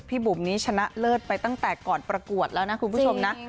บุ๋มนี้ชนะเลิศไปตั้งแต่ก่อนประกวดแล้วนะคุณผู้ชมนะ